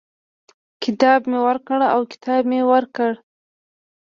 کتاب مي ورکړ او کتاب مې ورکړ.